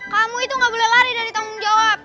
kamu itu gak boleh lari dari tanggung jawab